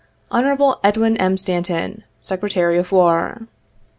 "Hon. EDWIN M. STANTON, Secretary of War.